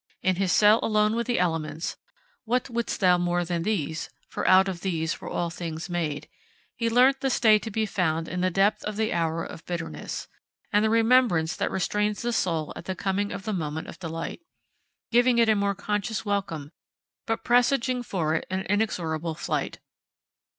In his cell alone with the elements 'What wouldst thou more than these? for out of these were all things made' he learnt the stay to be found in the depth of the hour of bitterness, and the remembrance that restrains the soul at the coming of the moment of delight, giving it a more conscious welcome, but presaging for it an inexorable flight.